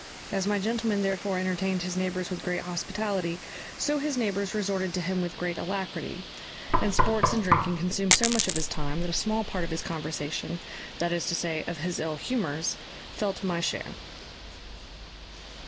As my gentleman therefore entertained his neighbours with great hospitality, so his neighbours resorted to him with great alacrity; and sports and drinking consumed so much of his time, that a small part of his conversation, that is to say, of his ill humours, fell to my share.